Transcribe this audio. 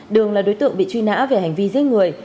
đường là đối tượng bị truy nã về hành vi giết người